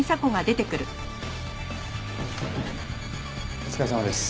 お疲れさまです。